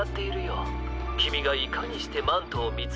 きみがいかにしてマントをみつけるかをね。